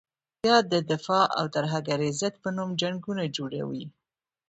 بیا د دفاع او ترهګرې ضد په نوم جنګونه جوړوي.